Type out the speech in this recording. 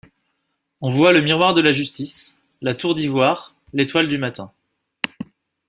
On voit le miror de la justice, la tour d'ivoire, l'étoile du matin.